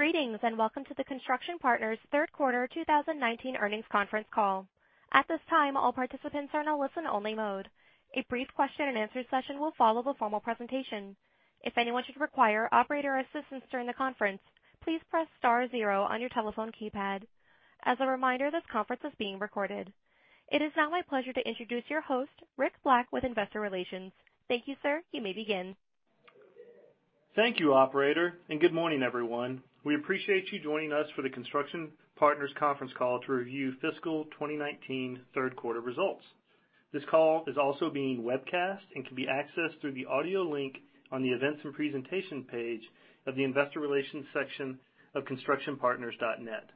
Greetings, welcome to the Construction Partners third quarter 2019 earnings conference call. At this time, all participants are in a listen-only mode. A brief question-and-answer session will follow the formal presentation. If anyone should require operator assistance during the conference, please press star zero on your telephone keypad. As a reminder, this conference is being recorded. It is now my pleasure to introduce your host, Rick Black with Investor Relations. Thank you, sir. You may begin. Thank you, operator, good morning, everyone. We appreciate you joining us for the Construction Partners conference call to review fiscal 2019 third quarter results. This call is also being webcast and can be accessed through the audio link on the Events and Presentation page of the Investor Relations section of constructionpartners.net.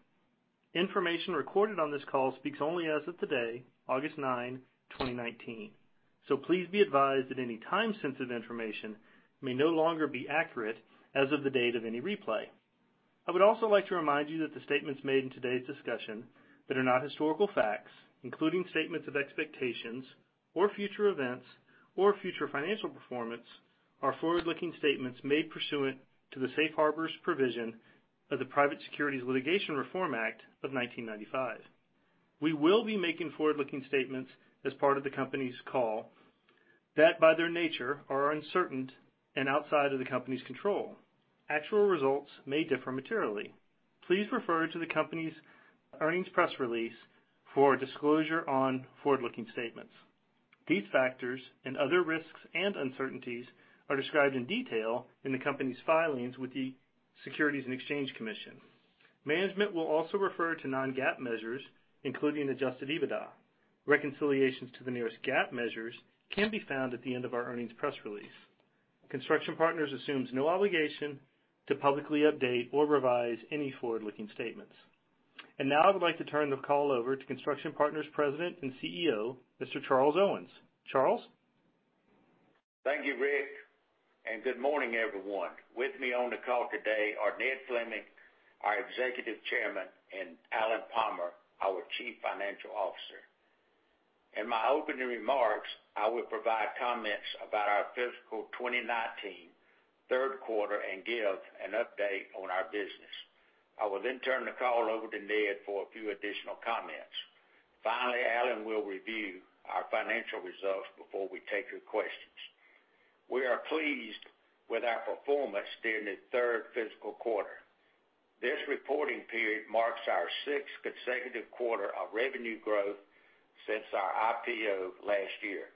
Information recorded on this call speaks only as of today, August 9, 2019. Please be advised that any time-sensitive information may no longer be accurate as of the date of any replay. I would also like to remind you that the statements made in today's discussion that are not historical facts, including statements of expectations or future events or future financial performance, are forward-looking statements made pursuant to the safe harbors provision of the Private Securities Litigation Reform Act of 1995. We will be making forward-looking statements as part of the company's call that, by their nature, are uncertain and outside of the company's control. Actual results may differ materially. Please refer to the company's earnings press release for disclosure on forward-looking statements. These factors and other risks and uncertainties are described in detail in the company's filings with the Securities and Exchange Commission. Management will also refer to non-GAAP measures, including adjusted EBITDA. Reconciliations to the nearest GAAP measures can be found at the end of our earnings press release. Construction Partners assumes no obligation to publicly update or revise any forward-looking statements. Now I would like to turn the call over to Construction Partners President and CEO, Mr. Charles Owens. Charles? Thank you, Rick, and good morning, everyone. With me on the call today are Ned Fleming, our Executive Chairman, and Alan Palmer, our Chief Financial Officer. In my opening remarks, I will provide comments about our fiscal 2019 third quarter and give an update on our business. I will then turn the call over to Ned for a few additional comments. Finally, Alan will review our financial results before we take your questions. We are pleased with our performance during the third fiscal quarter. This reporting period marks our sixth consecutive quarter of revenue growth since our IPO last year.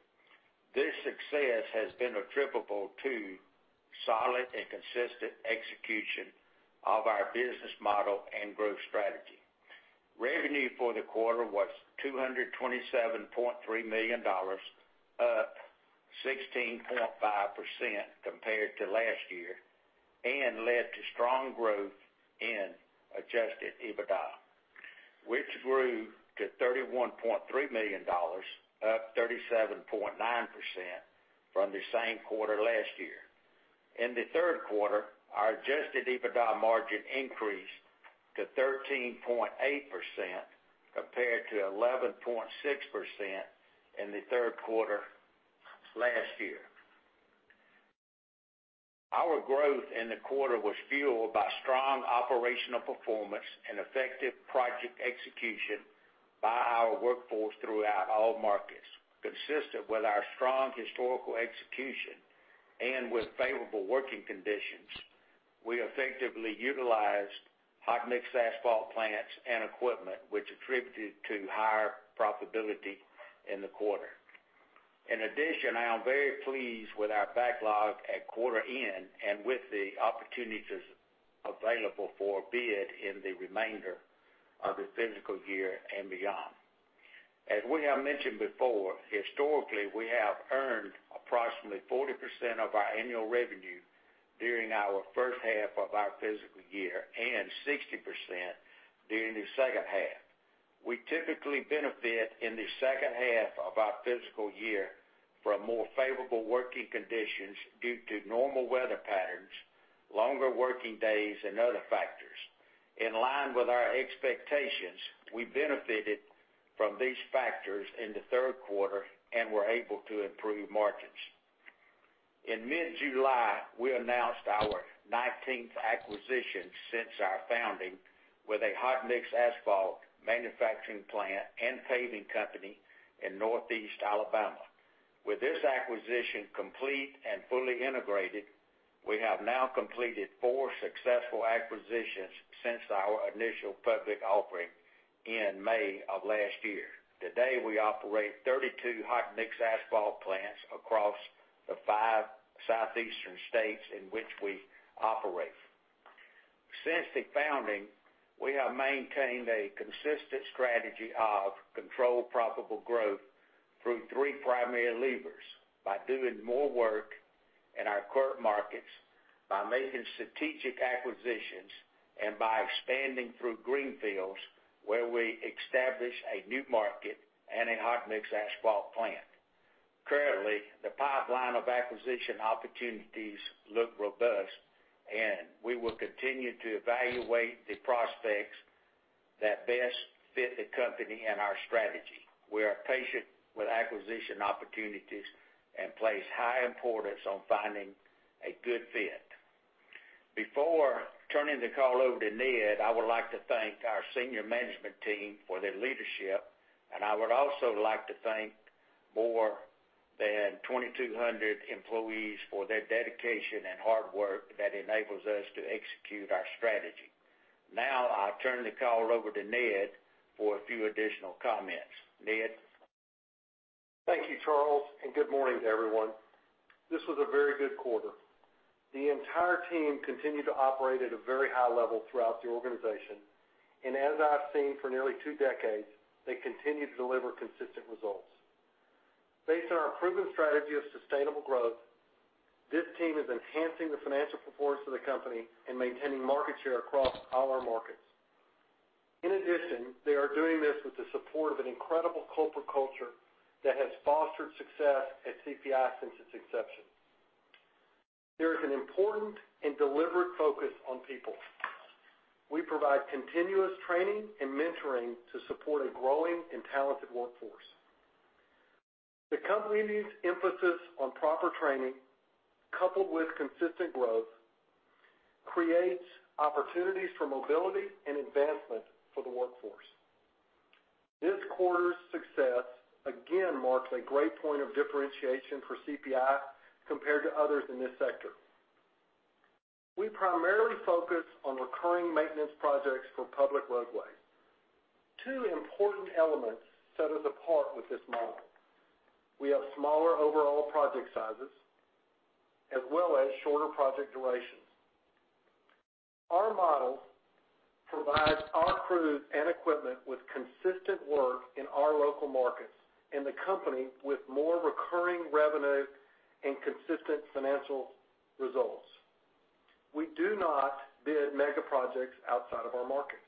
This success has been attributable to solid and consistent execution of our business model and growth strategy. Revenue for the quarter was $227.3 million, up 16.5% compared to last year, and led to strong growth in adjusted EBITDA, which grew to $31.3 million, up 37.9% from the same quarter last year. In the third quarter, our adjusted EBITDA margin increased to 13.8%, compared to 11.6% in the third quarter last year. Our growth in the quarter was fueled by strong operational performance and effective project execution by our workforce throughout all markets. Consistent with our strong historical execution and with favorable working conditions, we effectively utilized hot mix asphalt plants and equipment, which attributed to higher profitability in the quarter. In addition, I am very pleased with our backlog at quarter end and with the opportunities available for bid in the remainder of the fiscal year and beyond. As we have mentioned before, historically, we have earned approximately 40% of our annual revenue during our first half of our fiscal year and 60% during the second half. We typically benefit in the second half of our fiscal year from more favorable working conditions due to normal weather patterns, longer working days, and other factors. In line with our expectations, we benefited from these factors in the third quarter and were able to improve margins. In mid-July, we announced our 19th acquisition since our founding with a hot mix asphalt manufacturing plant and paving company in Northeast Alabama. With this acquisition complete and fully integrated, we have now completed four successful acquisitions since our initial public offering in May of last year. Today, we operate 32 hot mix asphalt plants across the five southeastern states in which we operate. Since the founding, we have maintained a consistent strategy of controlled profitable growth through three primary levers. By doing more work in our current markets, by making strategic acquisitions, and by expanding through greenfields, where we establish a new market and a hot mix asphalt plant. Currently, the pipeline of acquisition opportunities look robust, and we will continue to evaluate the prospects that best fit the company and our strategy. We are patient with acquisition opportunities and place high importance on finding a good fit. Before turning the call over to Ned, I would like to thank our senior management team for their leadership, and I would also like to thank more than 2,200 employees for their dedication and hard work that enables us to execute our strategy. Now I'll turn the call over to Ned for a few additional comments. Ned? Thank you, Charles, and good morning to everyone. This was a very good quarter. The entire team continued to operate at a very high level throughout the organization, and as I've seen for nearly two decades, they continue to deliver consistent results. Based on our proven strategy of sustainable growth, this team is enhancing the financial performance of the company and maintaining market share across all our markets. In addition, they are doing this with the support of an incredible corporate culture that has fostered success at CPI since its inception. There is an important and deliberate focus on people. We provide continuous training and mentoring to support a growing and talented workforce. The company's emphasis on proper training, coupled with consistent growth, creates opportunities for mobility and advancement for the workforce. This quarter's success again marks a great point of differentiation for CPI compared to others in this sector. We primarily focus on recurring maintenance projects for public roadways. Two important elements set us apart with this model. We have smaller overall project sizes as well as shorter project durations. Our model provides our crews and equipment with consistent work in our local markets and the company with more recurring revenue and consistent financial results. We do not bid mega projects outside of our markets.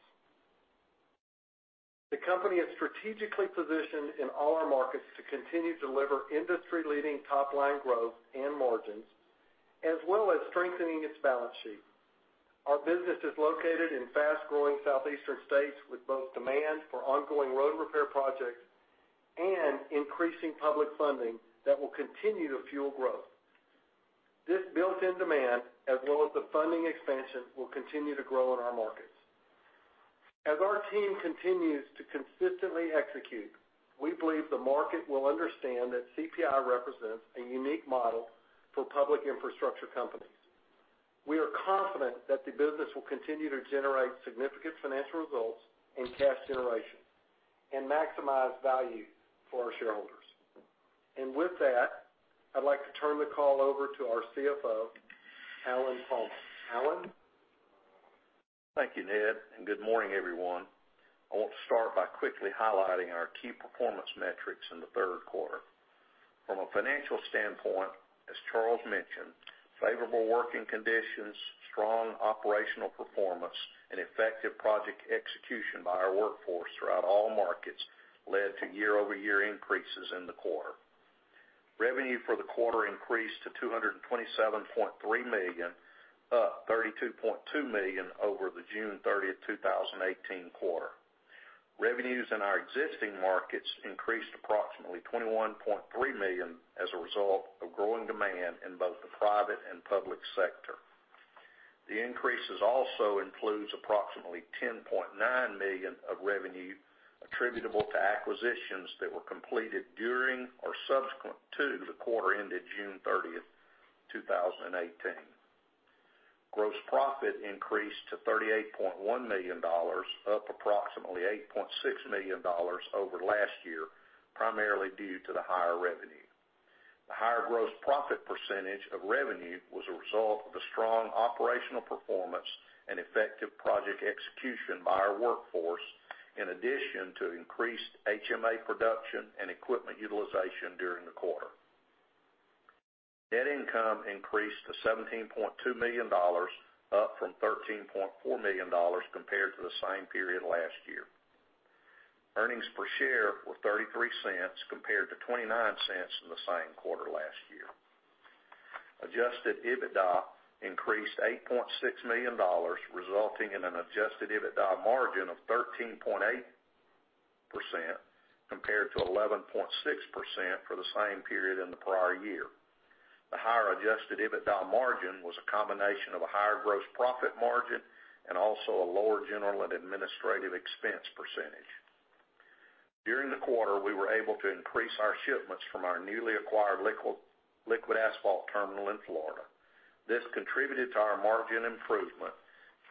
The company is strategically positioned in all our markets to continue to deliver industry-leading top-line growth and margins, as well as strengthening its balance sheet. Our business is located in fast-growing southeastern states, with both demand for ongoing road repair projects and increasing public funding that will continue to fuel growth. This built-in demand, as well as the funding expansion, will continue to grow in our markets. As our team continues to consistently execute, we believe the market will understand that CPI represents a unique model for public infrastructure companies. We are confident that the business will continue to generate significant financial results and cash generation, and maximize value for our shareholders. With that, I'd like to turn the call over to our CFO, Alan Palmer. Alan? Thank you, Ned. Good morning, everyone. I want to start by quickly highlighting our key performance metrics in the third quarter. From a financial standpoint, as Charles mentioned, favorable working conditions, strong operational performance, and effective project execution by our workforce throughout all markets led to year-over-year increases in the quarter. Revenue for the quarter increased to $227.3 million, up $32.2 million over the June 30, 2018 quarter. Revenues in our existing markets increased approximately $21.3 million as a result of growing demand in both the private and public sector. The increases also includes approximately $10.9 million of revenue attributable to acquisitions that were completed during or subsequent to the quarter ended June 30, 2018. Gross profit increased to $38.1 million, up approximately $8.6 million over last year, primarily due to the higher revenue. The higher gross profit percentage of revenue was a result of the strong operational performance and effective project execution by our workforce, in addition to increased HMA production and equipment utilization during the quarter. Net income increased to $17.2 million, up from $13.4 million compared to the same period last year. Earnings per share were $0.33 compared to $0.29 in the same quarter last year. Adjusted EBITDA increased $8.6 million, resulting in an Adjusted EBITDA margin of 13.8% compared to 11.6% for the same period in the prior year. The higher Adjusted EBITDA margin was a combination of a higher gross profit margin and also a lower general and administrative expense percentage. During the quarter, we were able to increase our shipments from our newly acquired liquid asphalt terminal in Florida. This contributed to our margin improvement,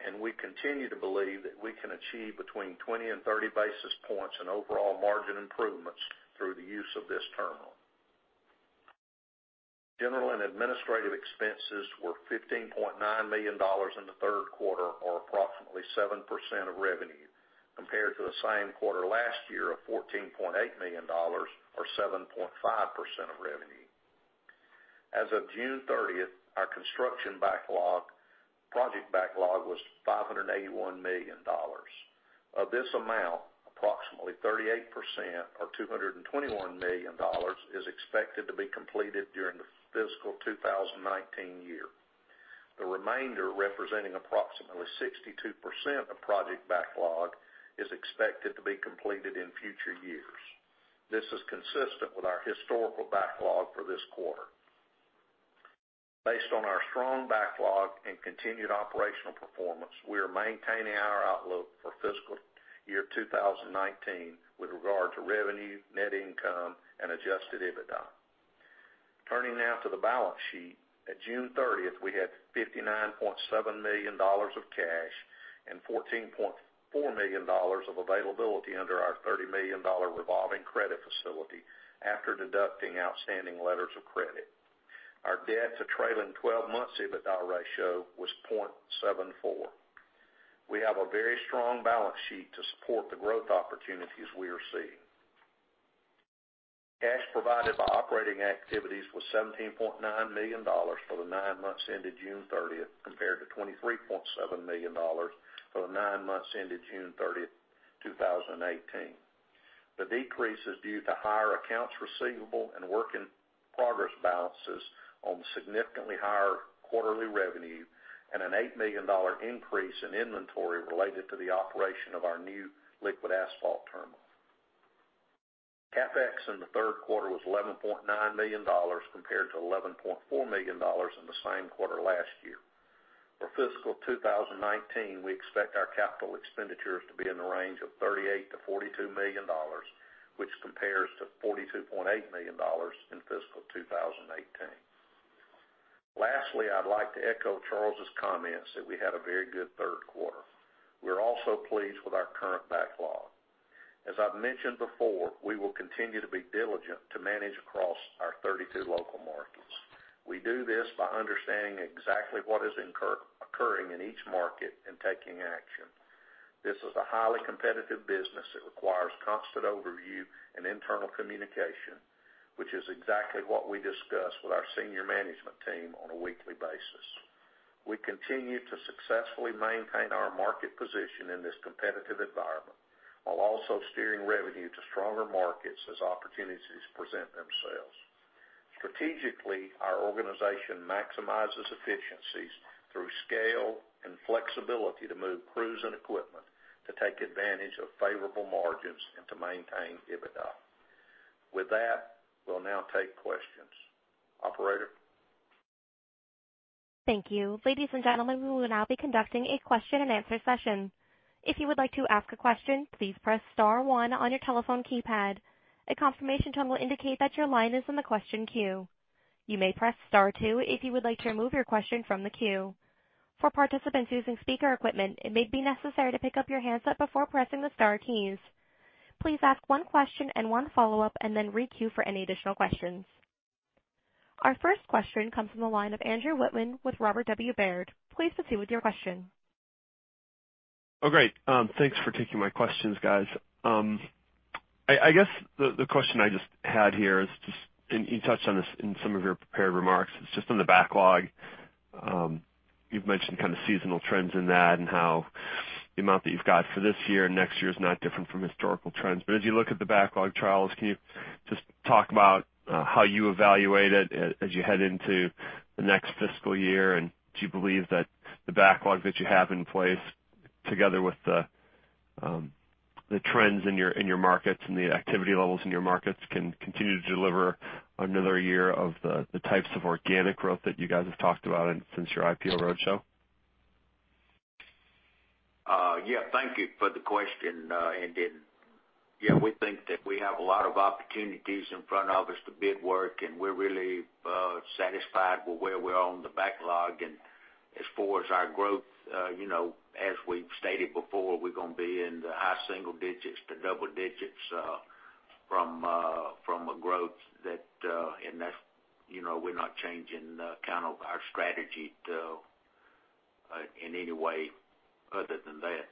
and we continue to believe that we can achieve between 20 and 30 basis points in overall margin improvements through the use of this terminal. General and administrative expenses were $15.9 million in the third quarter, or approximately 7% of revenue, compared to the same quarter last year of $14.8 million, or 7.5% of revenue. As of June 30th, our construction backlog, project backlog was $581 million. Of this amount, 38% or $221 million is expected to be completed during the fiscal 2019 year. The remainder, representing approximately 62% of project backlog, is expected to be completed in future years. This is consistent with our historical backlog for this quarter. Based on our strong backlog and continued operational performance, we are maintaining our outlook for fiscal year 2019 with regard to revenue, net income and adjusted EBITDA. Turning now to the balance sheet. At June 30th, we had $59.7 million of cash and $14.4 million of availability under our $30 million revolving credit facility after deducting outstanding letters of credit. Our debt to trailing 12 months EBITDA ratio was 0.74. We have a very strong balance sheet to support the growth opportunities we are seeing. Cash provided by operating activities was $17.9 million for the nine months ended June 30th, compared to $23.7 million for the nine months ended June 30th, 2018. The decrease is due to higher accounts receivable and work-in-progress balances on significantly higher quarterly revenue and an $8 million increase in inventory related to the operation of our new liquid asphalt terminal. CapEx in the third quarter was $11.9 million compared to $11.4 million in the same quarter last year. For fiscal 2019, we expect our capital expenditures to be in the range of $38 million-$42 million, which compares to $42.8 million in fiscal 2018. Lastly, I'd like to echo Charles' comments that we had a very good third quarter. We're also pleased with our current backlog. As I've mentioned before, we will continue to be diligent to manage across our 32 local markets. We do this by understanding exactly what is occurring in each market and taking action. This is a highly competitive business that requires constant overview and internal communication, which is exactly what we discuss with our senior management team on a weekly basis. We continue to successfully maintain our market position in this competitive environment, while also steering revenue to stronger markets as opportunities present themselves. Strategically, our organization maximizes efficiencies through scale and flexibility to move crews and equipment to take advantage of favorable margins and to maintain EBITDA. With that, we'll now take questions. Operator? Thank you. Ladies and gentlemen, we will now be conducting a question and answer session. If you would like to ask a question, please press star one on your telephone keypad. A confirmation tone will indicate that your line is in the question queue. You may press star two if you would like to remove your question from the queue. For participants using speaker equipment, it may be necessary to pick up your handset before pressing the star keys. Please ask one question and one follow-up, and then re-queue for any additional questions. Our first question comes from the line of Andrew Wittmann with Robert W. Baird. Please proceed with your question. Oh, great. Thanks for taking my questions, guys. I guess the question I just had here is just, and you touched on this in some of your prepared remarks, it's just on the backlog. You've mentioned kind of seasonal trends in that and how the amount that you've got for this year and next year is not different from historical trends. As you look at the backlog trends, can you just talk about how you evaluate it as you head into the next fiscal year? Do you believe that the backlog that you have in place, together with the trends in your markets and the activity levels in your markets, can continue to deliver another year of the types of organic growth that you guys have talked about since your IPO roadshow? Yeah. Thank you for the question, Andy. Yeah, we think that we have a lot of opportunities in front of us to bid work, and we're really satisfied with where we are on the backlog. As far as our growth, as we've stated before, we're going to be in the high single digits to double digits from a growth. We're not changing our strategy in any way other than that.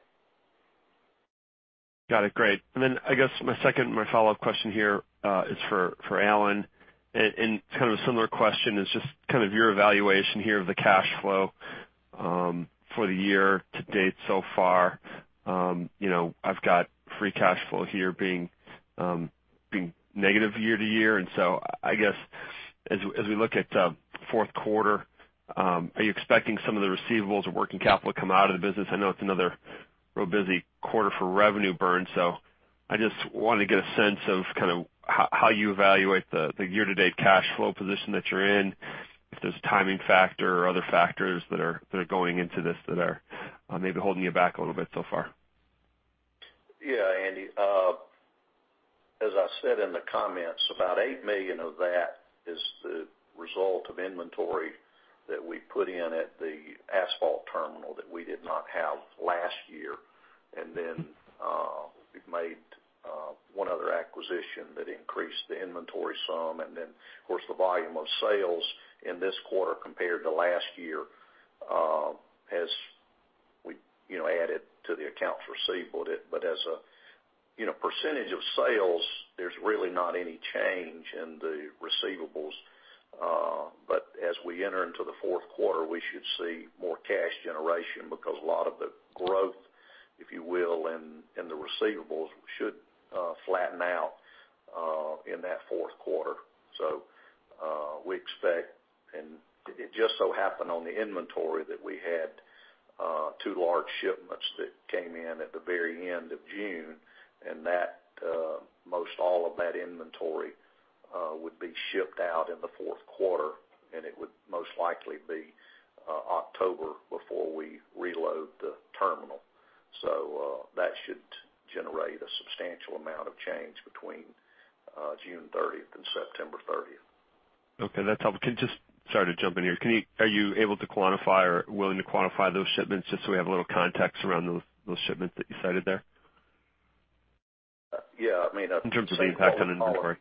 Got it. Great. I guess my second, my follow-up question here is for Alan. Kind of a similar question is just kind of your evaluation here of the cash flow for the year-to-date so far. I've got free cash flow here being negative year-to-year. I guess as we look at fourth quarter, are you expecting some of the receivables or working capital to come out of the business? I know it's another real busy quarter for revenue burn. I just wanted to get a sense of kind of how you evaluate the year-to-date cash flow position that you're in. If there's a timing factor or other factors that are going into this, that are maybe holding you back a little bit so far. Yeah, Andy. As I said in the comments, about $8 million of that is the result of inventory that we put in at the asphalt terminal that we did not have last year. Then we've made one other acquisition that increased the inventory some. Then of course, the volume of sales in this quarter compared to last year has added to the accounts receivable. As a percentage of sales, there's really not any change in the receivables. As we enter into the fourth quarter, we should see more cash generation because a lot of the growth, if you will, in the receivables should flatten out in that fourth quarter. We expect, and it just so happened on the inventory that we had two large shipments that came in at the very end of June, and most all of that inventory would be shipped out in the fourth quarter, and it would most likely be October before we reload the terminal. That should generate a substantial amount of change between June 30th and September 30th. Okay, that's helpful. Sorry to jump in here. Are you able to quantify or willing to quantify those shipments just so we have a little context around those shipments that you cited there? Yeah. In terms of the impact on inventory.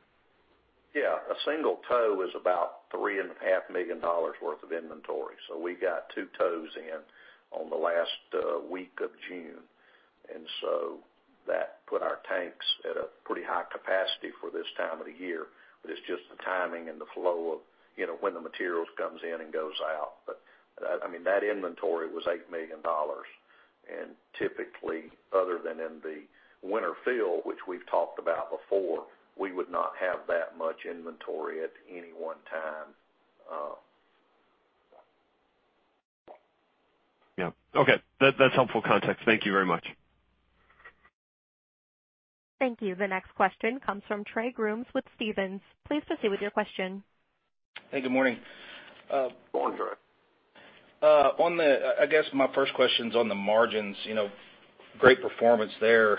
Yeah. A single tow is about $3.5 million worth of inventory. We got two tows in on the last week of June, and so that put our tanks at a pretty high capacity for this time of the year. It's just the timing and the flow of when the materials comes in and goes out. That inventory was $8 million, and typically, other than in the winter fill, which we've talked about before, we would not have that much inventory at any one time. Yeah. Okay. That's helpful context. Thank you very much. Thank you. The next question comes from Trey Grooms with Stephens. Please proceed with your question. Hey, good morning. Good morning, Trey. I guess my first question's on the margins. Great performance there.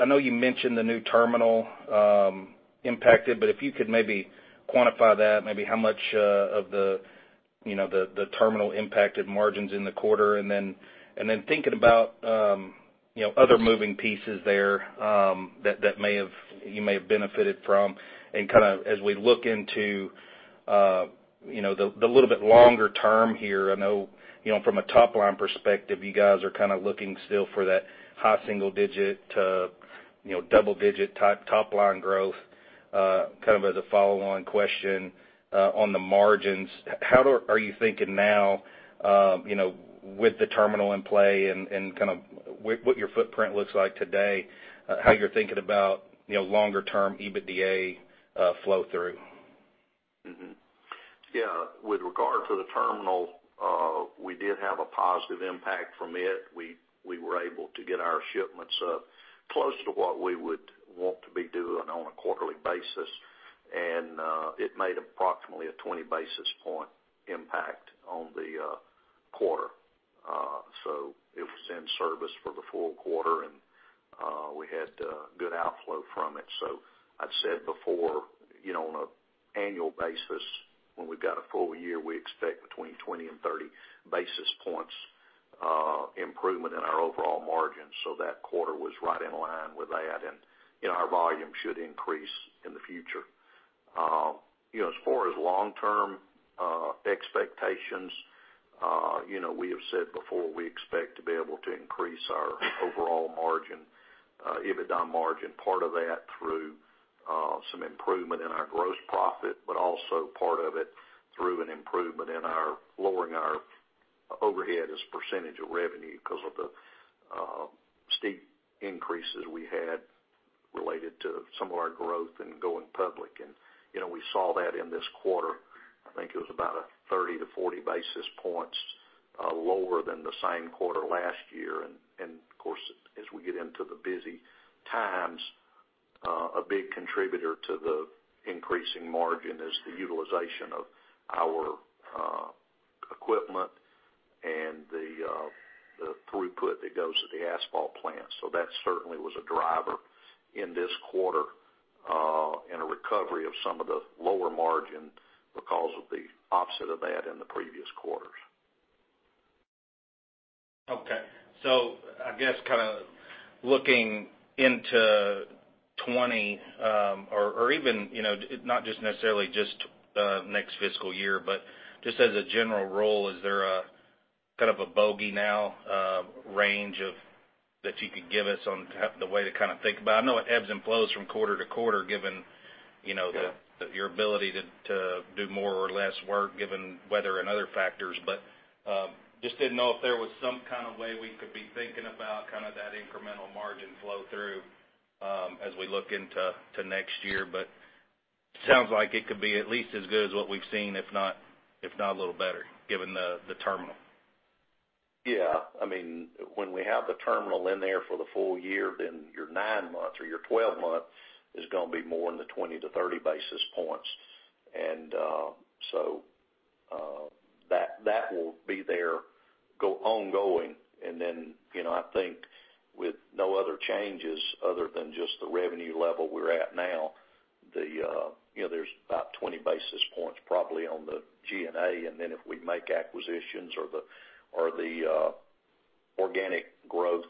I know you mentioned the new terminal impacted, but if you could maybe quantify that, maybe how much of the terminal impacted margins in the quarter, and then thinking about other moving pieces there that you may have benefited from and as we look into the little bit longer term here? I know from a top-line perspective, you guys are looking still for that high single digit to double digit type top line growth. Kind of as a follow-on question on the margins, how are you thinking now with the terminal in play and what your footprint looks like today, how you're thinking about longer term EBITDA flow through? Mm-hmm. Yeah. With regard to the terminal, we did have a positive impact from it. We were able to get our shipments up close to what we would want to be doing on a quarterly basis. It made approximately a 20 basis point impact on the quarter. It was in service for the full quarter, and we had good outflow from it. I've said before, on an annual basis, when we've got a full year, we expect between 20 and 30 basis points improvement in our overall margins. That quarter was right in line with that, and our volume should increase in the future. As far as long term expectations, we have said before, we expect to be able to increase our overall margin, EBITDA margin. Part of that through some improvement in our gross profit, but also part of it through an improvement in lowering our overhead as a percentage of revenue because of the steep increases we had related to some of our growth and going public. We saw that in this quarter. I think it was about a 30-40 basis points lower than the same quarter last year. Of course, as we get into the busy times, a big contributor to the increasing margin is the utilization of our equipment and the throughput that goes to the asphalt plant. That certainly was a driver in this quarter in a recovery of some of the lower margin because of the opposite of that in the previous quarters. Okay. I guess looking into 2020, or even not just necessarily just next fiscal year, but just as a general rule, is there a kind of a bogey now range that you could give us on the way to kind of think about it? I know it ebbs and flows from quarter to quarter given your ability to do more or less work given weather and other factors. Just didn't know if there was some kind of way we could be thinking about that incremental margin flow through as we look into next year. Sounds like it could be at least as good as what we've seen, if not a little better, given the terminal. Yeah. When we have the terminal in there for the full year, then your nine months or your 12 months is going to be more in the 20-30 basis points. That will be there ongoing. I think with no other changes other than just the revenue level we're at now, there's about 20 basis points probably on the G&A. If we make acquisitions or the organic growth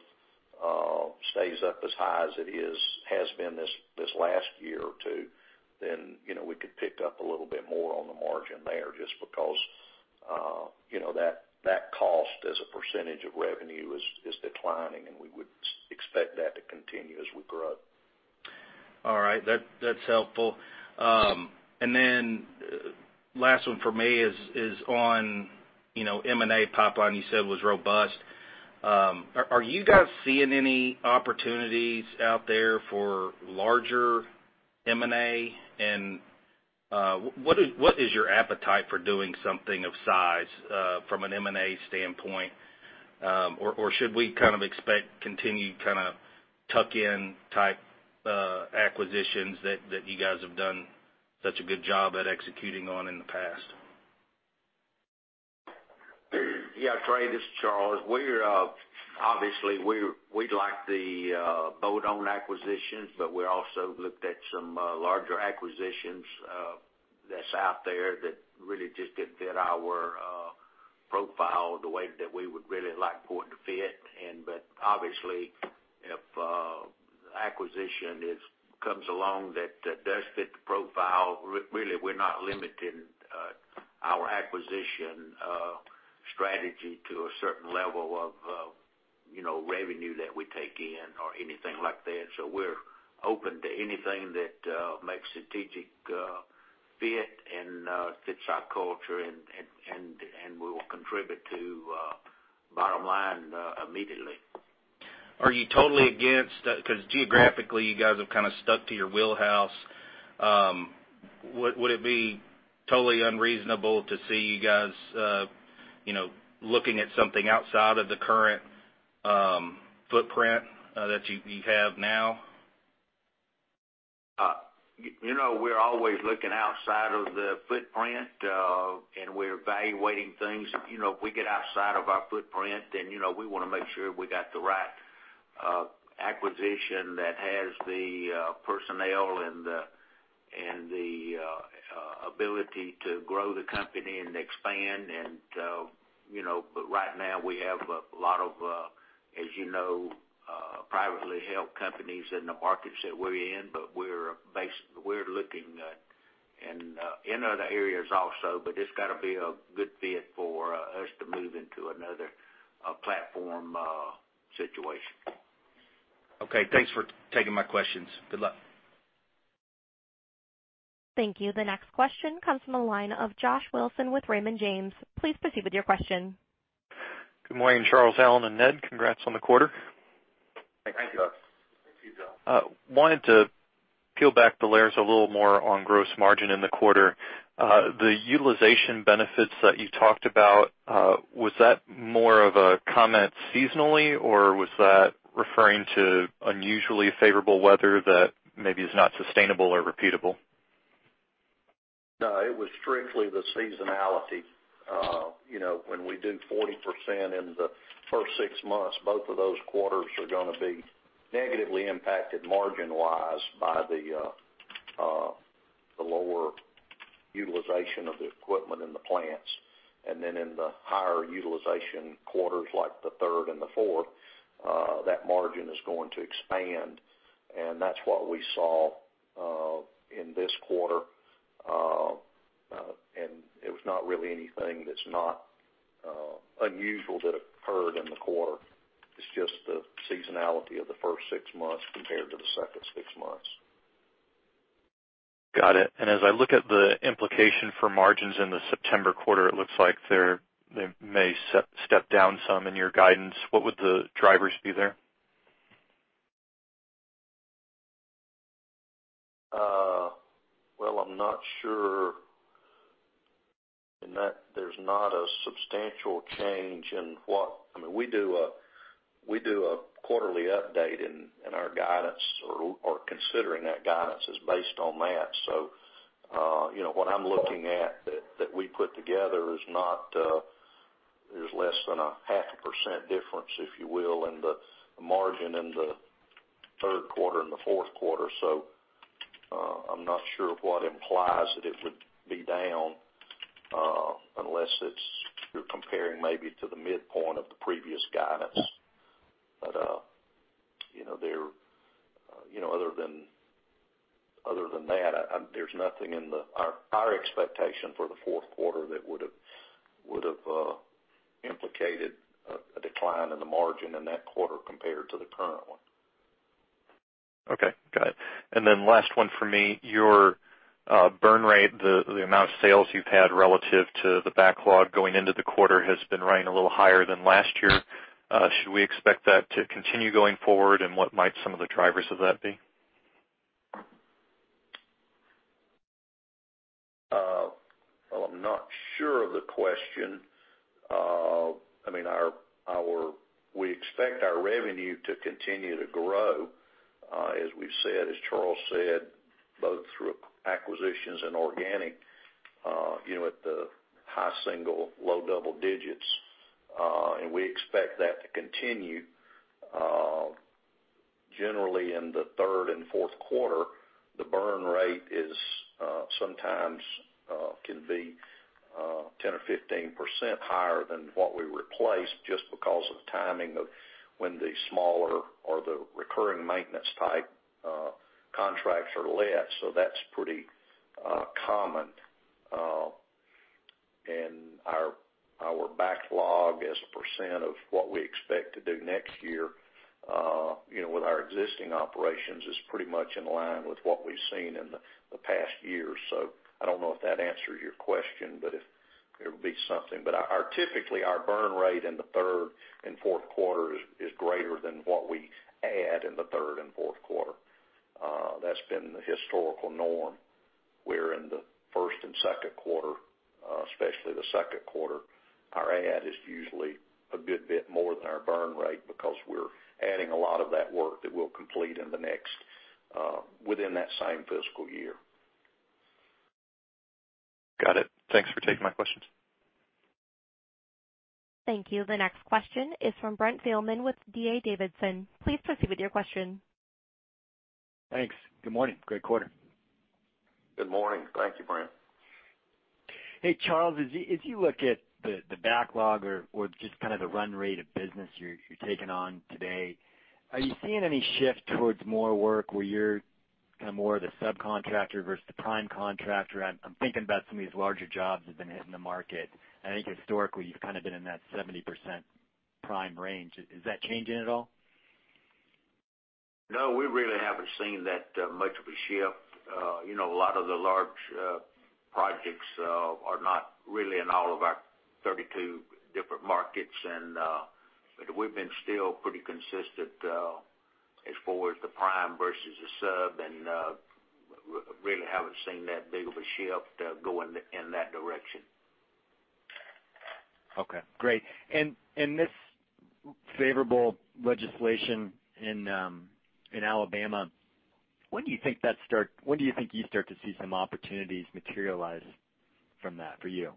stays up as high as it has been this last year or two, then we could pick up a little bit more on the margin there just because that cost as a percentage of revenue is declining, and we would expect that to continue as we grow. All right. That's helpful. Then last one from me is on M&A pipeline you said was robust. Are you guys seeing any opportunities out there for larger M&A? What is your appetite for doing something of size from an M&A standpoint? Should we expect continued tuck-in type acquisitions that you guys have done such a good job at executing on in the past? Trey, this is Charles. Obviously, we like the bolt-on acquisitions, but we also looked at some larger acquisitions that's out there that really just didn't fit our profile the way that we would really like for it to fit. Obviously, if acquisition comes along that does fit the profile, really, we're not limiting our acquisition strategy to a certain level of revenue that we take in or anything like that. We're open to anything that makes strategic fit and fits our culture, and will contribute to bottom line immediately. Are you totally against that? Geographically, you guys have kind of stuck to your wheelhouse. Would it be totally unreasonable to see you guys looking at something outside of the current footprint that you have now? We're always looking outside of the footprint, and we're evaluating things. If we get outside of our footprint, we want to make sure we got the right acquisition that has the personnel and the ability to grow the company and expand. Right now, we have a lot of, as you know, privately held companies in the markets that we're in, but we're looking in other areas also, but it's got to be a good fit for us to move into another platform situation. Okay. Thanks for taking my questions. Good luck. Thank you. The next question comes from the line of Josh Wilson with Raymond James. Please proceed with your question. Good morning, Charles, Alan, and Ned. Congrats on the quarter. Thank you. Thank you. Wanted to peel back the layers a little more on gross margin in the quarter. The utilization benefits that you talked about, was that more of a comment seasonally, or was that referring to unusually favorable weather that maybe is not sustainable or repeatable? No, it was strictly the seasonality. When we do 40% in the first six months, both of those quarters are going to be negatively impacted margin-wise by the lower utilization of the equipment in the plants. In the higher utilization quarters, like the third and the fourth, that margin is going to expand, and that's what we saw in this quarter. It was not really anything that's not unusual that occurred in the quarter. It's just the seasonality of the first six months compared to the second six months. Got it. As I look at the implication for margins in the September quarter, it looks like they may step down some in your guidance. What would the drivers be there? Well, I'm not sure. In that there's not a substantial change in I mean, we do a quarterly update in our guidance or considering that guidance is based on that. What I'm looking at that we put together is less than a half a percent difference, if you will, in the margin in the third quarter and the fourth quarter. I'm not sure what implies that it would be down, unless it's you're comparing maybe to the midpoint of the previous guidance. Other than that, there's nothing in our expectation for the fourth quarter that would've implicated a decline in the margin in that quarter compared to the current one. Okay. Got it. Last one for me. Your burn rate, the amount of sales you've had relative to the backlog going into the quarter, has been running a little higher than last year. Should we expect that to continue going forward, and what might some of the drivers of that be? Well, I'm not sure of the question. We expect our revenue to continue to grow, as we've said, as Charles said, both through acquisitions and organic, at the high single, low double digits. We expect that to continue. Generally, in the third and fourth quarter, the burn rate sometimes can be 10% or 15% higher than what we replaced just because of the timing of when the smaller or the recurring maintenance type contracts are let, so that's pretty common. Our backlog as a % of what we expect to do next year, with our existing operations, is pretty much in line with what we've seen in the past years. I don't know if that answers your question, but if it'll be something. Typically, our burn rate in the third and fourth quarter is greater than what we add in the third and fourth quarter. That's been the historical norm, where in the first and second quarter, especially the second quarter, our add is usually a good bit more than our burn rate because we're adding a lot of that work that we'll complete within that same fiscal year. Got it. Thanks for taking my questions. Thank you. The next question is from Brent Thielman with D.A. Davidson. Please proceed with your question. Thanks. Good morning. Great quarter. Good morning. Thank you, Brent. Hey, Charles, as you look at the backlog or just kind of the run rate of business you're taking on today, are you seeing any shift towards more work where you're kind of more the subcontractor versus the prime contractor? I'm thinking about some of these larger jobs that have been hitting the market. I think historically, you've kind of been in that 70% prime range. Is that changing at all? No, we really haven't seen that much of a shift. A lot of the large projects are not really in all of our 32 different markets. We've been still pretty consistent as far as the prime versus the sub, and really haven't seen that big of a shift going in that direction. Okay, great. This favorable legislation in Alabama, when do you think you start to see some opportunities materialize from that for you?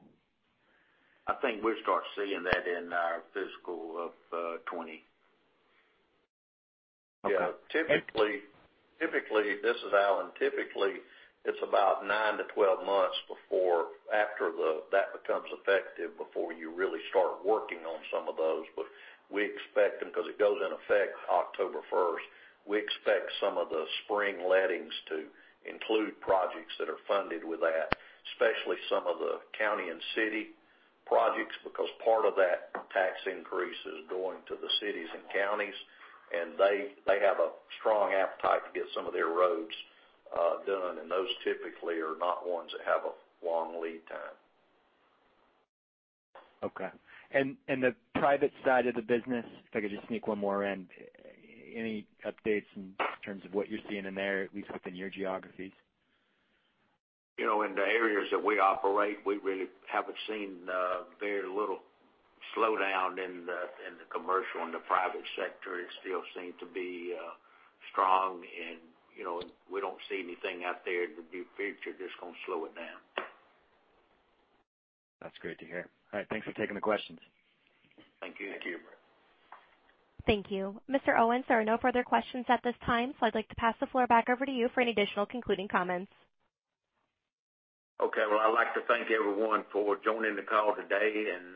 I think we'll start seeing that in our fiscal of 2020. Okay. Yeah. This is Alan. Typically, it's about 9 to 12 months after that becomes effective before you really start working on some of those. We expect them, because it goes in effect October 1st, we expect some of the spring lettings to include projects that are funded with that, especially some of the county and city projects, because part of that tax increase is going to the cities and counties, and they have a strong appetite to get some of their roads done. Those typically are not ones that have a long lead time. Okay. The private side of the business, if I could just sneak one more in. Any updates in terms of what you're seeing in there, at least within your geographies? In the areas that we operate, we really haven't seen very little slowdown in the commercial and the private sector. It still seem to be strong, we don't see anything out there in the future that's going to slow it down. That's great to hear. All right, thanks for taking the questions. Thank you. Thank you. Thank you. Mr. Owens, there are no further questions at this time, so I'd like to pass the floor back over to you for any additional concluding comments. Okay. Well, I'd like to thank everyone for joining the call today, and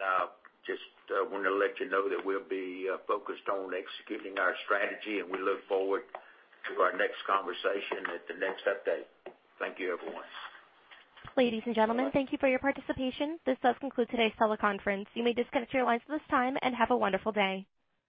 just wanted to let you know that we'll be focused on executing our strategy, and we look forward to our next conversation at the next update. Thank you, everyone. Ladies and gentlemen, thank you for your participation. This does conclude today's teleconference. You may disconnect your lines at this time, and have a wonderful day.